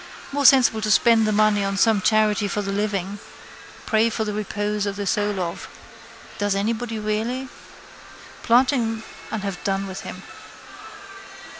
More sensible to spend the money on some charity for the living. Pray for the repose of the soul of. Does anybody really? Plant him and have done with him.